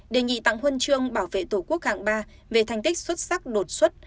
đề nghị tặng huân chương bảo vệ tổ quốc hạng ba về thành tích xuất sắc đột xuất